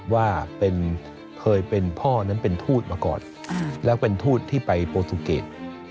ว่าเคยเป็นพ่อนั้นเป็นทูตมาก่อนแล้วเป็นทูตที่ไปโปรตูเกต